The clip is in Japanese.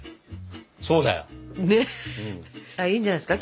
そうだよ。いいんじゃないですか？